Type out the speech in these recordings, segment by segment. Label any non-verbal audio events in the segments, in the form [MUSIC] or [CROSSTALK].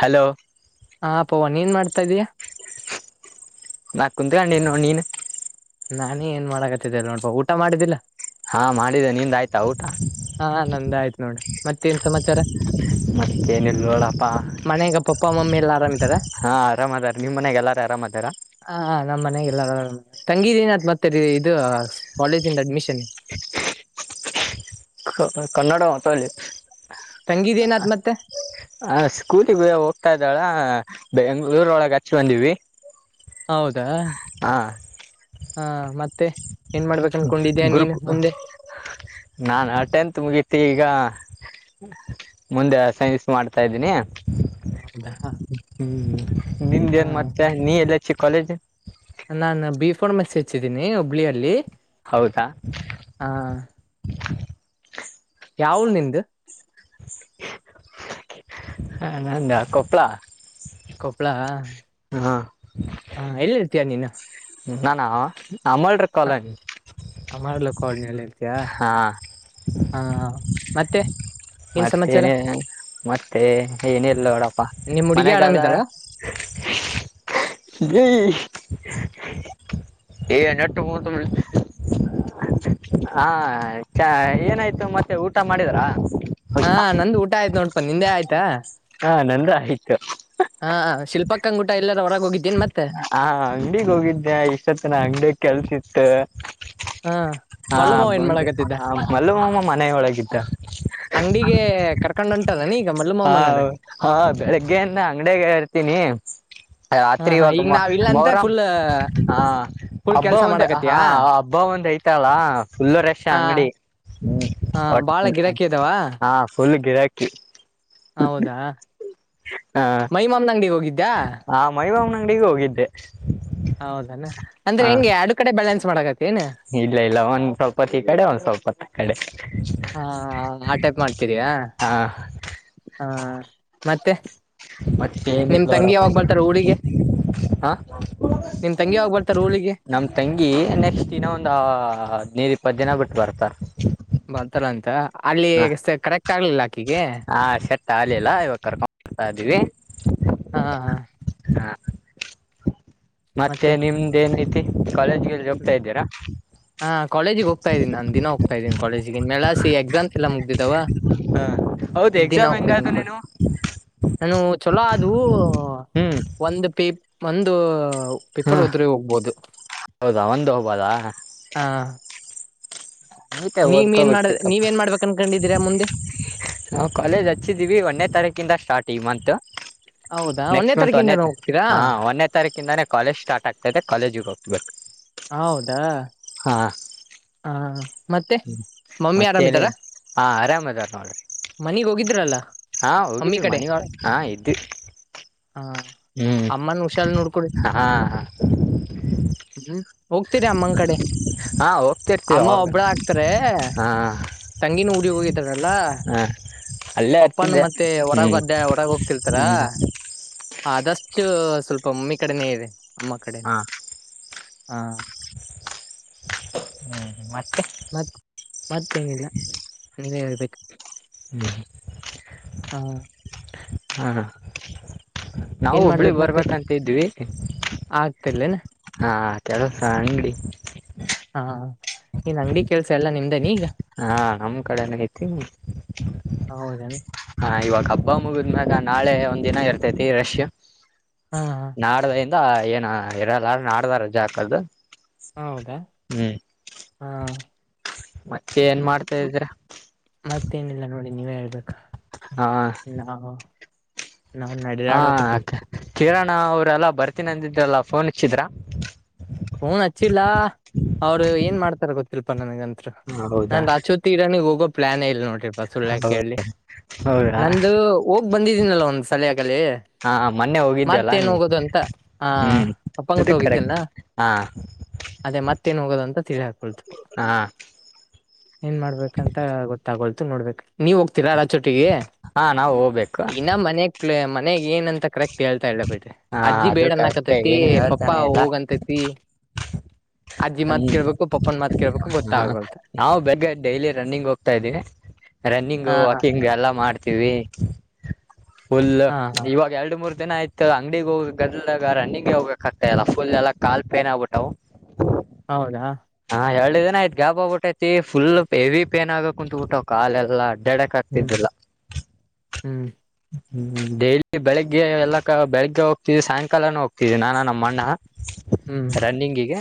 Hello ಹಾ ಪವನ್ ಏನ್ ಮಾಡ್ತಾ ಇದೀಯ ನಾ ಕುಂತ್ಕೊಂಡೀನಿ ನೋಡ ನೀನು ನಾನೇ ಏನ್ ಮಾಡಕತ್ತಿದ್ದಲ ನೋಡಪಾ ಊಟ ಮಾಡಿದ್ದಿಲ್ಲಾ ಹಾ ಮಾಡಿದೆ ನಿಂದ ಆಯ್ತಾ ಊಟ ಹಾ ನಂದ ಆಯ್ತ್ ನೋಡ್ರಿ ಮತ್ತೇನ್ ಸಮಾಚಾರ ಮತ್ತೇನಿಲ್ಲ ನೋಡಪ್ಪಾ ಮನೆಯಾಗ ಪಪ್ಪ ಮಮ್ಮಿ ಎಲ್ಲ ಆರಾಮ ಇದ್ದಾರ ಹಾ ಆರಾಮದಾರ ನಿಮ್ ಮನೆಯಾಗ ಎಲ್ಲಾರು ಆರಾಮದಾರ ಹ ಹಾ ನಮ್ಮ್ ಮನೆಯಾಗ ಎಲ್ಲರ ಆರಾಮ ಅದರ ತಂಗಿದೆನ ಅತ್ ಮತ್ತೆ ಇದು ಕಾಲೇಜಿಂದ ಅಡ್ಮಿಷನ್ ಕನ್ನಡ ಮಾತ ಅದಲ್ಲಿ ತಂಗಿದೇನತ್ ಮತ್ತೆ ಹ ಸ್ಕೂಲ್ ಗೆ ಹೋಗ್ತಾ ಇದ್ದಾಳ ಬೆಂಗಳೂರ ಒಳಗೆ ಹಚ್ ಬಂದಿವಿ ಹೌದಾ ಹಾ ಹಾ ಮತ್ತೆ ಏನ್ ಮಾಡ್ಬೇಕ ಅನ್ಕೊಂಡಿದ್ಯಾ ನೀನ್ ಗುರುಕ್ ಮುಂದೆ ನಾನು ಟೆಂತ್ ಮುಗೀತಿ ಈಗ ಮುಂದೆ ಸೈಸ್ ಮಾಡ್ತಾ ಇದ್ದೀನಿ. ಹೌದಾ ನಿಂದ ಏನ್ ಮತ್ತೆ ನೀ ಎಲ್ಲೆ ಹಚ್ಚಿ ಕಾಲೇಜ್ ನಾನ ಬಿ ಫಾರ್ಮೆಸ್ ಹಚ್ಚಿದ್ದೀನಿ ಹುಬ್ಬಳ್ಳಿಯಲ್ಲಿ ಹೌದಾ ಯಾವುಳ ನಿಂದು ಹಾ ನಂದ ಕೊಪ್ಪಳ ಕೊಪ್ಪಳ ಹಾ ಹಾ ಎಲ್ಲಿರ್ತೀಯ ನೀನು ನಾನಾ ಅಮಲ್ರ ಕಾಲನಿ ಮಾಡ್ಲ ಕೋಳನಿಲ್ಲ ಇರತಿಯಾ ಹಾ ಮತ್ತೆ ಏನ್ ಸಮಾಚಾರ ಮತ್ತೇನೆ ಮತ್ತೆ ಏನಿಲ್ಲ ನೋಡಪ್ಪ ನಿಮ್ ಹುಡುಗಿ ಮನ್ಗಾಲ್ ಆರಾಮಿದ್ದಾಳ ನೀ [UNINTELLIGIBLE] ನೆಟಗ ಹ ಏನಾಯ್ತು ಮತ್ತೆ ಊಟ ಮಾಡಿದ್ರಾ ಹಾ ನಂದು ಊಟ ಆಯ್ತು ನೋಡ್ಪ ನಿಂದೆ ಆಯ್ತಾ ಹಾ ನಂದ ಆಯ್ತು ಹಾ ಶಿಲ್ಪಕ್ಕ್ಕಂಗುಟ ಎಲ್ಲರ ಹೊರಗ್ ಹೋಗಿದ್ದೇನ್ ಮತ್ತೆ ಹ ಅಂಗಡಿಗ್ ಹೋಗಿದ್ದೆ ಇಷ್ಟೊತ್ನ ಅಂಗಡಿಯ ಕೆಲ್ಸಿತ್ತು. ಹಾ ಹಾ ಮಲ್ಲುಮಾವ ಏನ್ ಬಂದ ಮಾಡಾಕತ್ತಿದ್ದ ಮಲ್ಲು ಮಾಮ ಮನೆ ಒಳಗಿದ್ದ ಅಂಗಡಿಗೆ ಕರ್ಕೊಂಡಂಟ ಹಾ ಹ ಬೆಳಿಗ್ಗೆಯಿಂದ ಅಂಗಡಿಯಾಗ ಇರ್ತೀನಿ ಹಾ ರಾತ್ರಿ ಹಾ ಇವಾಗ ಈಗ ಮ ನಾವಿಲ್ಲ ಅಂತ ಮೊರಂ ಫುಲ್ ಹ ಫುಲ್ ಹಬ್ಬ ಕೆಲ್ಸ ಒಂದು ಹಾ ಮಾಡಾಕತ್ತೀಯಾ ಹಬ್ಬ ಒಂದ್ ಐತಲ್ಲಾ ಫುಲ್ ರೆಶ್ ಹಾ ಅಂಗಡಿ ಹ್ಮ್ ಹಾ ಒಟ್ಟ ಬಾಳ ಗಿರಾಕಿ ಇದಾವ ಹಾ ಫುಲ್ ಗಿರಾಕಿ ಹೌದಾ ಹ ಮೈಮಮನ ಅಂಗಡಿಗೆ ಹೋಗಿದ್ದ್ಯಾ ಮೈಮಾಮನ್ ಅಂಗಡಿಗೆ ಹೋಗಿದ್ದೆ ಹೌದಾನ ಅಂದ್ರೆ ಹ ಹೆಂಗೆ ಅ ಆಡು ಕಡೆ ಬ್ಯಾಲೆನ್ಸ್ ಮಾಡಕತ್ತ ಇಲ್ಲ ಇಲ್ಲ ಒಂದ್ ಸ್ವಲ್ಪತ್ತ ಇ ಕಡೆ ಒಂದ್ ಸ್ವಲ್ಪತ್ತ ಆ ಕಡೆ ಹಾ ಆ ಟೈಪ್ ಮಾಡ್ತೀರಿಯಾ ಹಾ ಹಾ ಮತ್ತೆ ಮತ್ತೇನಿಲ್ಲ ನಿಮ್ ತಂಗಿ ನೋಡಪ್ಪ ಯಾವಾಗ ಬರ್ತಾರ ಉಡಿಗೆ ಹ ಬರ್ತಾರ ಊರಿಗೆ ನಮ್ ತಂಗಿ ನೆಕ್ಸ್ಟ್ ದಿನ ಒಂದು ಒಂದು ಹದ್ನೈರ್ ಇಪ್ಪತ್ತು ದಿನ ಬಿಟ್ಟು ಬರ್ತ ಬರ್ತಾರ ಅಂತ ಅಲ್ಲಿ ಕರೆಕ್ಟ್ ಆಗ್ಲಿಲ್ಲ ಆಕಿಗೆ ಹಾ ಶರ್ಟ್ ಹಾಲಿಲ್ಲ ಇವಾಗ ಕರ್ಕೊಂಡ್ಡ್ತಾ ಇದ್ದೀವಿ ಹಾ ಹಾ ಹಾ ಮತ್ತೆ ನಿಮ್ದೇನ್ ಐತಿ ಹೋಗ್ತಾ ಇದ್ದೀರಾ ಹಾ ಕಾಲೇಜಿಗೆ ಹೋಗ್ತಾ ಇದೀನಿ ನಾನ್ ದಿನ ಹೋಗ್ತಾ ಇದೀನಿ ಕಾಲೇಜಿಗೆಗನ್ ಮೆಳಾಸ ಎಕ್ಸಾಮಸ್ ಎಲ್ಲ ಮುಗ್ದಿದವ ಹಾ ದಿನ ಹೋಗ್ತಿದ್ದ ಅಕ ನಾನು ಚಲೋ ಅೂ ಹ್ಮ್ ಒಂದು ಪೇ ಒಂದು ಹಾ ಪೆಪರ್ ಹೋದ್ರೆ ಹೋಗ್ಬೋದು ಹೌದಾ ಒಂದು ಹೋಗಬದಾ ಹಾ ಆತಾ ನೀವ್ ಏನ್ ಮಾಡ ಓದ್ಕೋಬೇಕುಪ್ಪ ನೀವೇನ್ ಮಾಡ್ಬೇಕು ಅನ್ಕೊಂಡಿದ್ದೀರಾ ಮುಂದೆ ನಾವು ಕಾಲೇಜ್ ಹಚ್ಚಿದ್ದೀವಿ ಒಂದನೇ ತಾರೀಕಿಂದ ಸ್ಟಾರ್ಟ್ ಈ ಮತ್ ಹೌದಾ ಒಂದನೇ ನೆಕ್ಸ್ಟ್ ಮಂತ್ ತಾರೀಕಿಂದ ಒೇ ಹೋಗ್ತೀರಾ ಹಾ ಒಂದನೇ ತಾರೀಕಿಂದಾನೇ ಕಾಲೇಜ್ ಸ್ಟಾರ್ಟ್ ಆಗ್ತದೆ ಎ ಕಾಲೇಜಿಗೆ ಹೋಗ್ತಬೇಕು ಹೌದಾ ಹಾ ಮತ್ತೆ ಮಮ್ಮಿ ಮತ್ತೆ ಆರಾಮ್ದಾರ ಹಾ ಆರಾಮ್ ಅದಾರ ನೋಡ್ರಿ ಮನಗ್ ಹೋಗಿದ್ರಲ್ಲ ಹಾ ಮಮ್ಮಿ ಹೋಗಿದೀವಿ ಕಡೆ ಮನಿಗಳ ಹಾ ಇದ್ವಿ ಹಾ ಹ್ಮ್ ಅಮ್ಮನ್ ಹುಷಾರ್ ನೋಡ್ಕೊಡಿ ಹಾ ಹ್ಮ್ ಹೋಗ್ತಿೀರಿ ಅಮ್ಮನ್ ಕಡೆ ಹಾ ಹೋಗ್ತಿರ್ತೀವಿ ಅಮ್ಮ ಅವಾಗ ಒಬ್ಬಳ ಆಕ್ತಾರ ಹಾ ತಂಗಿನ ಊಡಿ ಹೋಗಿದಾರಲ್ಲ ಹಾ ಅಲ್ಲೇ ಪಪ್ಪನ್ ಇರ್ತಿದ್ದೆ ಮತ್ತೆ ಒಡಗ ಹ್ಮ್ ಅಡ್ಡ ಒಡಗ ಹೋಗ್ತಿರ್ತಾರ ಹ್ಮ್ ಹ ಆದಷ್ಟು ಸ್ವಲ್ಪ ಮಮ್ಮಿ ಕಡೆನೇ ಇದೆ ಅಮ್ಮ ಕಡೆನ ಹಾ ಹಾ ಹ್ಮ್ ಮತ್ತೆ ಮತ್ ಮತ್ತೇನಿಲ್ಲ ನೀವೇ ಹೇಳ್ಬೇಕು ಹ್ಮ್ ಹಾ ಹಾ ನಾವು ಏನ್ ಒಬ್ಳಿಗ್ ಮಾಡ್ಬೇಕು ಮತ್ತೆ ಬರ್ಬೇಕಂತಿದ್ವಿ ಆಗ್ತಿರ್ಲೇನ ಹಾ ಕೆಲಸ ಅಂಗಡಿ ನೀನ್ ಅಂಗಡಿ ಕೆಲ್ಸ ಎಲ್ಲ ನಿಮ್ದೇನಿ ಈಗ ಹಾ ನಮ್ಮ್ ಕಡೆ ಐತಿ ಹೌದೇನ ಹ ಇವಾಗ ಬಾ್ ಮುಗಿದ್ಮ್ಯಾಗ ನಾಳೆ ಒಂದ್ ದಿನ ಇರ್ತೈತಿ ರಷ್ಯಾ ಹಾ ಹಾ ನಾಡ ಏನ ಎರ ಆಡ್ದ ರಜೆ ಹಾಕ್ದು ಹೌದಾ ಹಾ ಮತ್ತೆ ಏನ್ ಮಾಡ್ತಾ ್ಮ ಇದ್ರ ಮತ್ತೇನಿಲ್ಲ ನೋಡಿ ನೀವೇ ಹೇಳ್ಬೇಕಾ ಹ ನಾವು ನಡ ಹ ಆಡ್ಬೇಕರ್ತೀವಿ ಕಿರಣ ಅವ್ರಲ್ಲ ಬರ್ತೀನಿ ಅಂದಿದ್ರಲ್ಲ ಫೋನ್ ಇಚ್ಚಿದ್ರ ಫೋನ್ ಹಚ್ಚಿಲ್ಲ ಅವ್ರು ಏನ್ ಮಾಡ್ತಾರ ಗೊತ್ತಿಲ್ಪಾ ನನ್ಗಂತ ಹೌದಾ ನನ್ ಅಚೋತಿ ಇರನಗ್ ಹೋಗೋ ಪ್ಲಾನ್ ಇಲ್ ನೋಡ್ರಿ ಬ ಸುಳ್ಳ್ಯ ಹೌ ಕೇಳಿ ಹೌದಾ ನಂದು ಹೋಗ್ ಬಂದಿದ್ದೀನಲ್ಲ ಒಂದು್ ಸಲಾ ಅಲ್ಲಿ ಹಾ ಮೊನ್ನೆ ಹೋಗಿದ್ದ್ಯಲ್ಲ ಮತ್ತೇನ್ ನೀವು ಹೋಗೋದು ಅಂತ ಆ ಹ್ಮ್ ಅಪ್ಪ ಅದು ಅಂಗಟ್ಟು ಕರೆಕ್ಟ್ ಹೋಗಿದ್ದೆನಾ ಹಾ ಅದೇ ಮತ್ತೇನ್ ಹೋಗೋದ ಅಂತ ತಿಳಿಹಾಕೊಳ್ತು ಹಾ ಏನ್ ಮಾಡ್ಬೇಕಂತ ಗೊತ್ತಾಗೋಲ್ತು ನೋಡ್ಬೇಕಕ್ ನೀವೋಗ್ ತಿರಾರೋಟಿಗೆ ಹಾ ನಾವು ಹೋಗ್ಬೇಕು ಇನ್ನ ಮನೆ ಮನೆಗ್ ಏನಂತ ಕರೆಕ್ಟ್ ಹೇಳ್ತಾ ಇಲ್ಲ ಬಿಟ್ರ ಹಾ ಅಜ್ಜ ಅದು ಕರೆಕ್ಟ್ ಬೇಡನ್ನಾಕತತಿ ಏನು ಪಪ್ಪಾ ಹೇಳ್ತಾನೆ ಇಲ್ಲ ಹೋಗಂತೈತಿ ಅಜ್ಜಿ ಮಾತ್ ಕೇಳ್ಬೇಕು ಪಪ್ಪನ್ ಮಾತ್ ಕೇಳ್ಬೇಕು ಹ ಗೊತ್ತಾಗೋಲ್ತ ನಾವು ಬೇಗ್ ಡೈಲಿ ರನ್ನಿಂಗ್ ಹೋಗ್ತಾ ಇದ್ದೀವಿ ರನ್ನಿಂಗ್ ಹಾ ಹಾ ವಾಕಿಂಗ್ ಎಲ್ಲಾ ಮಾಡ್ತೀವಿ ಫುಲ್ ಹಾ ಹಾ ಇವಾಗ ಎರಡು ಮೂರು ತೆನಾಆಯ್ತ ಅಂಗಡಿಗೆ ಹೋಗ ಗದಲ ರನ್ನಿಿಗೆಗೆ ಹೋಗ್ಕಕ್ ಆತಲ್ಲ ಫುಲ್ ಎಲ್ಲ ಕಾಲ್ ಪೇನ್ ಆಗ್ಬಿಟ್ಟಾವು ಹೌದಾ ಇದಏನ ಯ್ತ್ ಗ್ಯಾಪ್ ಆಬಿಟ್ಟೈಐತಿ ಫುಲ್ ಹೆವಿ ಪೇನ್ ಆಗಕ್ ಕುಂತತ್ ಬಿಿಟ್ಟ್ ಕಾಲ ಎಲ್ಲ ಅಡ್ಯಾಡಕ್ ಹ್ಮ್ ಆಗ್ತಿದ್ದಿಲ್ಲ ಹ್ಮ್ ಹ್ಮ್ ಡೈಲಿ ಬೆಳಿಗ್ಗೆ ಎಲ್ಲಕ ಬೆಳಿಗ್ಗೆ ಹೋಗ್ತಿದವಿ ಸಾಯಂಕಾಲನೂ ಹೋಗ್ತಿದವಿ ನಾನ ನಮ್ಮ ಅಣ್ಣ ಹ್ಮ್ ರನ್ನಿಂಗಿಗೆ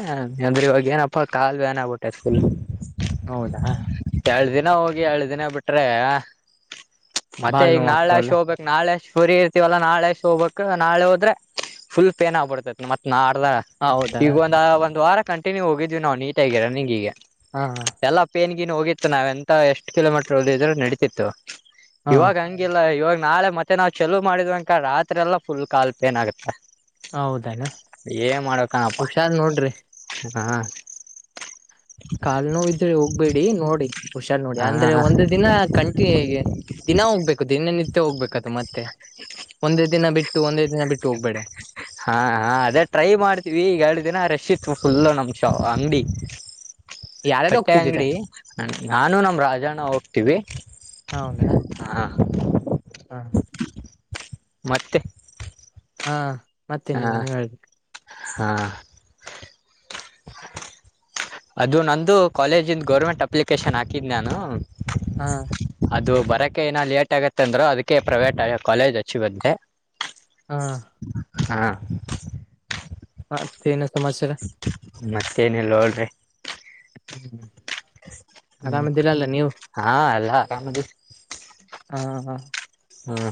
ಅಂದ್ರೆ ಇವಾಗ ಏನಪ್ಪಾ ಕಾಾಲುವ ನ್ ಆಗ್ಬಿಟ್ಟೆ ಫುಲ್ ಹೌದಾ ಎಳ ದಿನ ಹೋಗಿ ಎಳ ದಿನ ಬಿಟ್ರೆ ಭಾಳ್ ನೋವಕಕ ಒಲ್ಲ ನಾಳೆಷ್ಟುಫರಿ ಇರ್ತವಲ್ಲ ನಾಳೆ ಅಷ್ಟ ಹೋಗಬೇಕಕ್ ನಾಳೆ ಹೋದ್ರೆ ಫುಲ್ ಪೇನ್ ಆಗ್ಬಡ್ತೈತ್ ಮತ್ತತ್ ನಾಳೆ ಅಲ್ಲ ಹೌದಾ ಈಗ ಒಂದ ಒಂದು ವಾರ ಕಂಟನ್ಯೂ ಹೋಗಿದೀವಿ ನಾವು ನೀಟಗ ರನ್ನಿಂಗ್ ಈಗೆ ಹಾ ಎಲ್ಲ ಪೇನ್ ಗಿನ್ ಹೋಗಿತ್ತು ನಾವ ಎಂತ ಎಷ್ಟ್ ಕಿಲೋಮೀಟರ್ ಹ ಓದಿದ್ರರು ನಡೀತಿತ್ತು ಹಾ ಇವಾಗ ಹಂಗಿಲ್ಲಾ ಇವಾಗ ನಾಳೆ ಮತ್ತೆ ನಾವ್ ಚಲ್ಲು ಮಾಡಿದ್ಂಕ ರಾತ್ರೆಲ್ಲ ಫುಲ್ ಕಾಲ್ ಪೆನ್ ಆಗುತ್ತೆ ಹೌದನ ಏ ಮಾಡ್ಣಪ್ಪಾ ಹುಷಾರ್ ನೋಡ್ರಿ ಹ ಕಾಲ್ ನೋ ಇದ್ರೆ ಹೋಗ್ಬೇಡಿ ನೋಡಿ ಹುಷಾರ್ ನೋಡಿ ಹಾ ಅಂದ್ರೆ ಒಂದು ಹಾ ದಿನ ಕಂಟಿ ಹೇಗೆ ದಿನ ಹೋಗ್ಬೇಕದು ದಿನನಿತ್ಯ ಹೋಗ್ಬೇಕದು ಮತ್ತೆ ಒಂದೇ ದಿನ ಬಿಟ್ಟು ಒಂದೇ ದಿನ ಬಿಟ್ಟು ಹೋಗ್ಬೇಡ ಹಾ ಹಾ ಅದೇ ಟ್ರೈ ಮಾಡ್ತೀವಿ ಈಗ ದಿನ ರೇಷಿತ್ ಫುಲ್ ನಮ್ ಶ ಅಂಗಡಿ ಯಾರಾರು ಬಟ್ಟೆ ಹೋಗ್ತಿದ್ದೀರಾ ಅಂಗಡಿ ನಾನು ನಮ ರಾಜಣ್ಣ ಹೋಗ್ತೀವಿ ಹೌದಾ ಹ ಹ್ಮ್ ಮತ್ತೆ ಹಾ ಹಾ ಮತ್ತೇನಿಲ್ಲ ನೀವ್ ಹೇಳ್ಬೇಕ ಹಾ ಅದು ನಂದು ಕಾಲೇಜಿಂದ ಗೌರ್ಮೆಂಟ್ ಅಪ್ಲಿಕೇಶನ್ ಹಾಕಿದೆ ನಾನು ಹಾ ಅದು ಬರೋಕ್ಕೆ ಏನ ಲೇಟ್ ಆಗತ್ತೆ ಅಂದ್ರರು ಅದಕ್ಕೆ ಪ್ರೈವೇಟ್ ಕಾಲೇಜ್ ಹಚ್ಚಿವಂದೆ ಹಾ ಹಾ ಮತ್ತೇನು ಸಮಾಚಾರ ಲೋಡ್ರೀ ಹ್ಮ ಹ್ಮ್ ಹಾ ಎಲ್ಲ ಕಮ್ಮದು ಹಾ ಹಾ ಹ್ಮ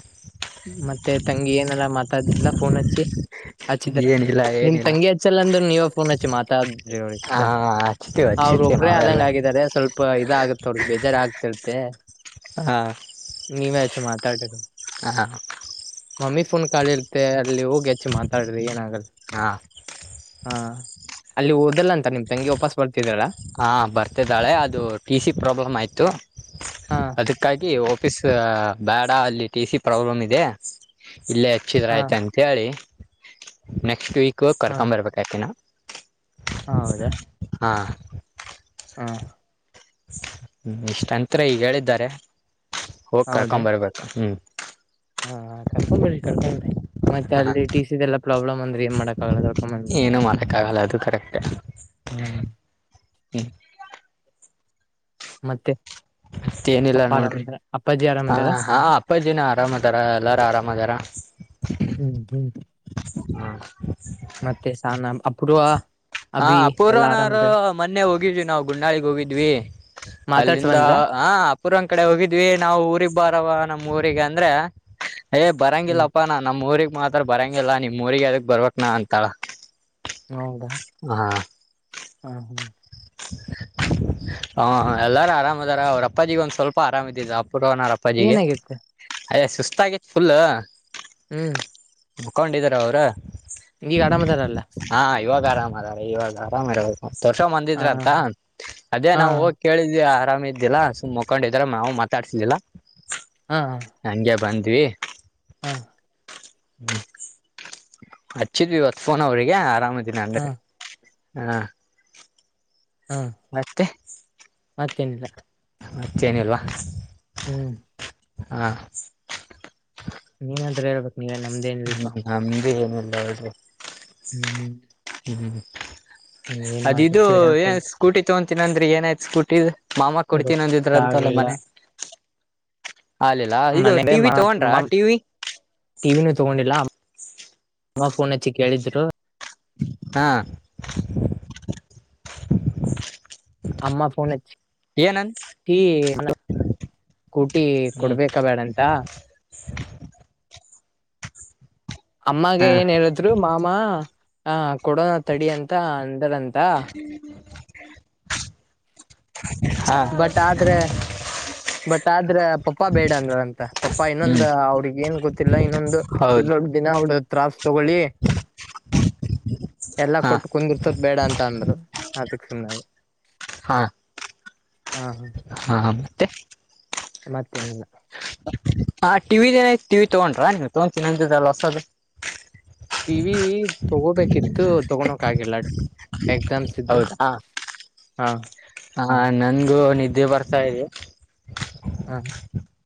ಮತ್ತೆ ತಂಗಿ ಏನಾರ ಮಾತಾಡ್ತಿದ್ಲ ಫೋನ್ ಹಚ್ಚಿ ಹಚ್ಚಿದ್ರ ಏನಿಲ್ಲ ನಿಮ್ ಏನಿಲ್ಲ ತಂಗಿ ಹಚ್ಚಲ್ಲ ಅಂದ್ರ ನೀವ ಫೋನ್ ಹಚ್ಚಿ ಮಾತಾಾದ್ರಿ ಹಾ ಅವ್ರ ಹಚ್ತೀವಿ ಅವ್ರ ಹಚ್ಚಿರ್ತೀವಿ ಒಬ್ರೇ ನಾವೆಲ್ಲ ಆದದಂಗ ಆಗಿದ್ದಾರೆ ಸ್ವಲ್ಪ ಇದ ಆಗುತ್ತ ಅವ್ರಗ್ ಬೇಜಾರಾಗ್ತಾತೇ ಹಾ ತಡೆದಿ ಹಾ ಮೊಮ್ಮಿ ಫೋನ್ ಕಾಲಿರುತ್ತೆ. ಅಲ್ಲಿ ಹೋಗಿ ಹಚ್ಚಿ ಮಾತಾಡ್ರಿ ಏನ್ ಆಗಲ್ಲಾ ಹಾ ಹಾ. ಅಲ್ಲಿ ಓದಲ್ಲ ಅಂತ ನಿಮ್ ತಂಗಿ ವಾಪಸ್ ಬರ್ತಿದಾಳ ಹಾ ಬರ್ತಿದಾಳೆ ಅದು ಟಿ ಸಿ ಪ್ರಾಬ್ಲಮ್ ಆಯ್ತು. ಹಾ ಅದಕ್ಕಾಗಿ ಓಫೀಸ್ ಬೇಡ ಅಲ್ಲಿ ಟಿ ಸಿ ಪ್ರಾಬ್ಲಮ್ ಇದೆ. ಇಲ್ಲೇ ಹಚ್ಚಿದ್ರ ಹಾ ಐತೆ ಅಂತೇಳಿ ನೆಕ್ಸ್ಟ್ ವೀಕ್ ಹಾ ಕರ್ಕೊಮ್ ಬರ್ಬೇಕ ಆಕಿನ. ಹಾ. ಹ್ಮ್ ಹ್ಮ ಇಷ್ಟಂತ್ರ ಈಗ ಹೇಳಿದ್ದಾರೆ ಹೋಗಿ ಹೌದಾ ಕರ್ಕೊಂಡ್ ಬರ್ಬೇಕು ಹ್ಮ್. ಹಾ ಕರ್ಕೊಂಮ್ ಬರ್ರಿ ಕರ್ಕೊಂಮ್ ಬರ್ರಿ ಮತ್ತೆ ಹ ಅಲ್ಲಿ ಟಿ ಸಿ ದೆಲ್ಲಾ ಪ್ರಾಬ್ಲಮ್ ಅಂದ್ರೆ ಏನ್ ಮಾಡಕ್ ಆಗಲ್ಲ ಏನು ಮಾಡಕ್ ಆಗಲ್ಲ ಅದು ಕರೆಕ್ಟ್ ಹ್ಮ್. ಹ್ಮ್ ಮತ್ತೆ. ಮತ್ತೆ ಏನಿಲ್ಲ ಪಪ್ಪ ನೋಡ್ರಿ ಆರಾಮಂದ್ರ ಅಪ್ಪಾಜಿ ಹ ಆರಾಮಂದಾರ ಹಾ ಅಪ್ಪಜಿ ನಾ ಆರಾಮ್ ಅದಾರ ಎಲ್ಲಾರ ಆರಾಮ್ ಅದಾರ. ಹ್ಮ್ ಹ್ಮ್. ಮತ್ತೆ ಸಾನ ಅಪೂರ್ವ ಹಾ ಹಾ ಅಭಿ ಎಲ್ಲಾ ಅಪೂರ್ವನೊರು ಆರಾಮದಾರ ಮೊನ್ನೆ ಹೋಗಿದ್ವಿ ನಾವವು ಗುಂಡಾಳಗಿ ಹೋಗಿದ್ವಿ ಮಾತಾಡ್ಸ ಅಲ್ಲಿಂದ ಬಂದ್ರ ಹ ಅಫುರ್ವಾ ನ ಕಡೆ ಹೋಗಿದ್ವಿ ನಾವು ಊರಿಬ್ಬಾರವ ನಮ್ಮ್ ಊರಿಗೆ ಅಂದ್ರೆ ಏ ಹ್ಮ್ ಬರಂಗಿಲ್ಲಪ್ಪ ನಾ ನಮ್ಮ್ ಊರಿಗ್ ಮಾತ್ರ. ಬರಂಗಿಲ್ಲ ನಿಮ್ ಊರಿಗೆ ಎದಕ್ ಬರ್ಬೆಕ್ ನಾ ಅಂತಾಳ ಹೌದಾ ಹ ಹಾ ಹ್ಮ ಹ ಎಲ್ಲಾರು ಆರಾಮ್ ಅದಾರ ಅವ್ರ ಅಪ್ಪಾಜಿಗೆ ಒಂದ್ ಸ್ವಲ್ಪ ಆರಾಮ ಇದ್ದಿಲಾ ಡುವಣ ಅಪ್ಪಾಜಿಗೆ ಏನಾಗಿತ್ತು ಅಯ ಸುಸ್ತಾಗಿತ್ ಫುಲ್. ಹ್ಮ್ ಮೊಕೊಂಡಿದಾರ ಅವ್ರ. ಈಗ ಆರಾಮ ಅದರಲ್ಲ. ಆರಾಮ್ ಅದಾರ ಇವಾಗ ಆರಾಮ ಇರಬೇಕ ತೋರಿಸ್ಕೊಂಡು ಹಾ ಬಂದಿದ್ರ ಅಂತ ಅದೇ ಹಾ ನಾವು ಹೋಗಿ ಕೇಳಿದವಿ. ಆರಾಮ ಇದ್ದಿಲ್ಲ ಸುಮ್ಮ್ ಮುಕೊಂಡ ಇದ್ರ ನಾವು ಮಾತಾಡ್ಸಿಲಿಲ್ಲ ಹಾ ಹಾ ಹಂಗೆ ಬಂದ. ದಿವಿ ಹಾ ಹ್ಮ್ ಹಚ್ಚಿದ್ವಿ ಇವತ್ತು ಫೋನ್ ಅವ್ರಿಗೆ ಆರಾಮದೀನಿ ಅಂದ್ರ ಹ ಹಾ ಮತ್ತೆ ಮತ್ತೇನಿಲ್ಲ. ಅಚ್ಚಿನಲ್ವ ಹ್ಮ್ ಹಾ ನೀನಂದ್ರೆ ಹೇಳ್ಬೇಕು ಹ್ಮ ನಮ್ದೇ ಏನಿಲ್ಲ ಇದು ಹ್ಮ್ ಹ್ಮ್ ಹ್ಮ್ ಅದ ಇದು ಏನೊ ಹೇಳಕೊಳ್ ಸ್ಕೂಟಿ ತಗೊತೀನ ಅಂದ್ರಿ ಏನಯ್ತು ಸ್ಕೂಟಿ ಮಾಮ ಕೊಡ್ತೀನ ಅಂದಿದ್ರಂತಲ್ಲ ಗೊತ್ತಾಗ್ಲಿಲ್ಲ ಮನೆ. ಹಾಲಿಲ್ಲ ಇದು ಮನೇ ಟಿವಿ ತಗೊಂಡ್ರ ಟಿವಿ ಟಿವಿನೂ ತಗೊಂಡಿಲ್ಲ. ಅಮ್ಮ ಫೋನ್ ಹಚ್ಚಿ ಕೇಳಿದ್ರು. ಹಾ ಅಮ್ಮ ಫೋನ್. ಏನನ್ ಕೂಟಿ ಹ್ಮ್ ಕೊಡ್ಬೇಕ ಬೇಡಂತ ಅಮ್ಮಾಗ ಹಾ ಏನ್ ಹೇಳಿದ್ರು ಮಾಮ ಆ ಕೊಡೋನಾ ತಡಿ ಅಂತ ಅ ಹ್ಮ ಹಾ ಬಟ್ ಆದ್ರೆ ಬಟ್ ಆದ್ರೆ ಪಪ್ಪಾ ಬೇಡ ಅಂದ್ರ ಅಂತ ಪಪ್ಪಾ ಹ್ಮ್ ಇನ್ನೊಂದು ಅವ್ರಿಗ್ ಏನ್ ಗೊತ್ತಿಲ್ಲ ಇನ್ನೊಂದು ಹೌದು ಜೊಡ್ಿನ ಆಡ ತ್ರಾಸ್ ತಗೊಳ್ಳಿ ಎಲ್ಲಾ ಹಾ ಕೊಟ್ಟು ಕುಂದಿರ್ಸದ ಬೇಡ ಅಂತ ಅಂದ್ರರು ಅದಕ್ಕೆುನ್ನಾಗ ಹಾ ಹಾ ಹ ಮತ್ತೆ ಮತ್ತೆನಿಲ್ಲ ಹ ಟಿವಿದ್ ಏನಯ್ತು ಟಿವಿ ತಗೊಂಡ್ರ ನೀವು ತಗೊತೀನಂದ್ರಲ್ಲ ಹೊಸದು ಟಿ ವಿ ತಗೋಬೇಕಿತ್ತು ತಗೋಳಕ್ಗಲ್ಲ ಎಕ್ಸಾಮ್ಸ್ ಇದ್ವು ಹಾ ಹಾ ಹಾ ನನ್ಗು ನಿದ್ದೆ ಬರ್ತಾ ಇದೆ ಹಾ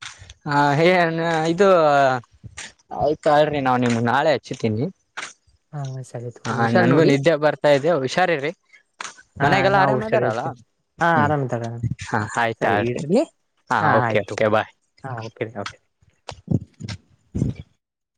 ಹ [UNINTELLIGIBLE] ಇದು ಆಯ್ತಾಲ್ರಿ ನಾ ನಿಮ್ ನಾಳೆ ಹಚ್ಚಿತೀನಿ ಹಾ ಸರಿ ತಗೋ ಹಾ ಹುಷಾರ್ ನನ್ಗೂ ನೋಡಿ ನಿದ್ದೆ ಬರ್ತಾ ಇದೆ ಹುಷಾರ್ರಿರಿ ಹಾ ಮನ್ಗೆಲ್ಲ ನಾವು ಆರಾಮ್ ಹುಷಾರ್ ಅದಾರಲ್ಲ ಇರ್ತೀವಿ ಹಾ ಹ್ಮ್ ಆರಾಮ್ ಇದಾರ ಹ ಸರಿ ಆಯ್ತಾಳ್ರಿ ಇಡ್ಲಿ ಹಾ ಓಕೆ ಓಕೆ ಬಾಯ್ ಹಾ ಓಕೆ ಓಕೆ [INAUDIBLE]